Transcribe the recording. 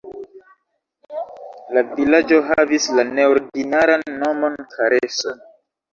La vilaĝo havis la neordinaran nomon Kareso.